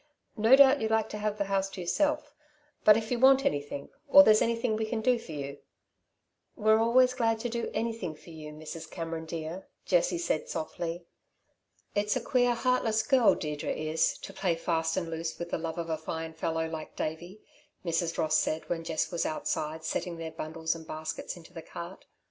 No doubt you'll like to have the house to yourself, but if you want anything, or there's anything we can do for you " "We're always glad to do anything for you, Mrs. Cameron, dear," Jessie said softly. "It's a queer, heartless girl Deirdre is, to play fast and loose with the love of a fine fellow like Davey," Mrs. Ross said, when Jess was outside setting their bundles and baskets into the cart.